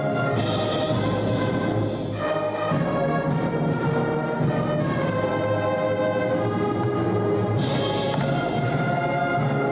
lagu kebangsaan indonesia raya